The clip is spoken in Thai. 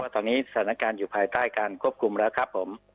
ตอนนี้สถานการณ์อยู่ภายใต้การควบคุมแล้วครับผม